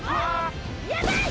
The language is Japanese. やばい！